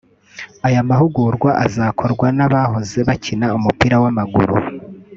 Aya mahugurwa azakorwa n’ abahoze bakina umupira w’amaguru